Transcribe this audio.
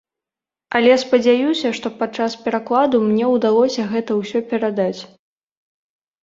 Але спадзяюся, што падчас перакладу мне ўдалося гэта ўсё перадаць.